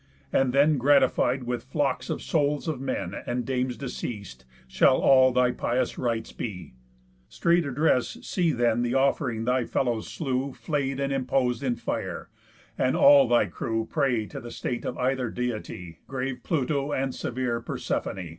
And then, gratified With flocks of souls of men and dames deceas'd Shall all thy pious rites be. Straight address'd See then the off'ring that thy fellows slew, Flay'd, and impos'd in fire; and all thy crew Pray to the state of either Deity, Grave Pluto, and severe Persephoné.